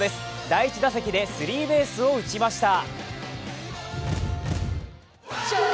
第１打席でスリーベースを打ちました。